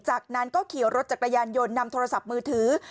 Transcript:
จากนั้นก็ขี่รถจักรยานยนต์นำโทรศัพท์มือถือ